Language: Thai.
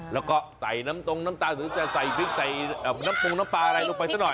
แล้วก็ใส่น้ำตรงน้ำตาลถึงจะใส่พริกใส่น้ำปรุงน้ำปลาอะไรลงไปซะหน่อย